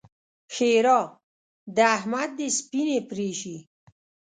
ښېرا: د احمد دې سپينې پرې شي!